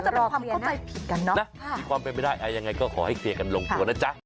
ที่ความเป็นไปได้อย่างไรก็ขอให้เคลียร์กันลงตัวนะจ๊ะ